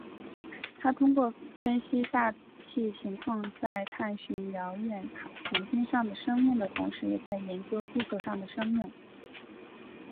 他通过分析大气情况在探寻遥远行星上的生命的同时也在研究地球上的生命。